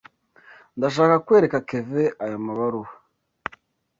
Ndashaka kwereka Kevin aya mabaruwa.